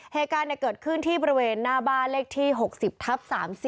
เหตุการณ์เกิดขึ้นที่บริเวณหน้าบ้านเลขที่๖๐ทับ๓๐